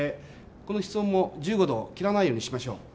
この室温も１５度を切らないようにしましょう。